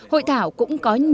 hội thảo cũng có những kế hoạch